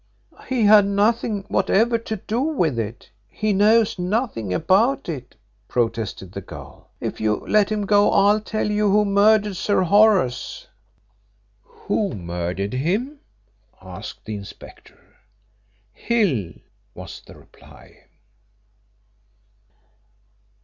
"He had nothing whatever to do with it he knows nothing about it," protested the girl. "If you let him go I'll tell you who murdered Sir Horace." "Who murdered him?" asked the inspector. "Hill," was the reply.